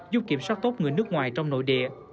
giúp kiểm soát tốt người nước ngoài trong nội địa